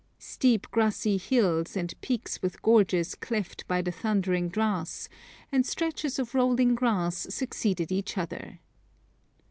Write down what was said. Steep grassy hills, and peaks with gorges cleft by the thundering Dras, and stretches of rolling grass succeeded each other.